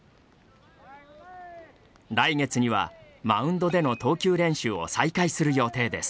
来月にはマウンドでの投球練習を再開する予定です。